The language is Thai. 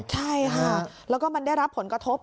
ใช่ค่ะแล้วก็มันได้รับผลกระทบ